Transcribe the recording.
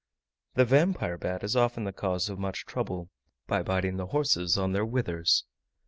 The Vampire bat is often the cause of much trouble, by biting the horses on their withers.